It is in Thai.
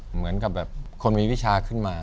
เหมือนกับแบบคนมีวิชาขึ้นมา